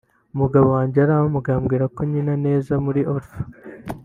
umugabo wanjye yarampamagaye ambwira ko nkina neza muri Oprah